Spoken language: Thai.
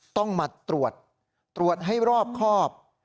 ต้องมาตรวจตรวจให้รอบครอบ